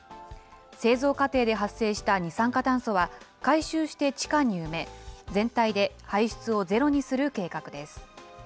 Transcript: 製造過程で発生した二酸化炭素は、回収して地下に埋め、全体で排出をゼロにする計画です。